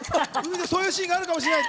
そういうシーンがあるかもしれない。